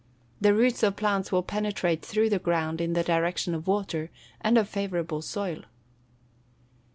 The roots of plants will penetrate through the ground in the direction of water, and of favourable soil.